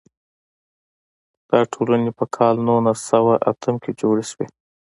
دا ټولنې په کال نولس سوه اتم کې جوړې شوې.